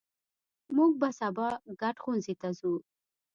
مونږ به سبا ګډ ښوونځي ته ځو